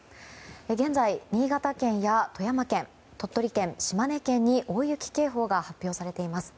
現在、新潟県や富山県鳥取県、島根県に大雪警報が発表されています。